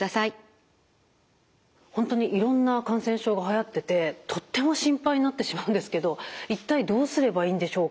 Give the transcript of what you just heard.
本当にいろんな感染症がはやっててとっても心配になってしまうんですけど一体どうすればいいんでしょうか？